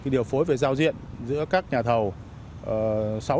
điều phối về giao diện giữa các nhà thầu